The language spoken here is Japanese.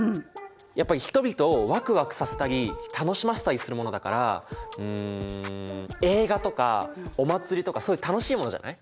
やっぱり人々をワクワクさせたり楽しませたりするものだからうん映画とかお祭りとかそういう楽しいものじゃない？